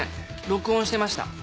録音してました。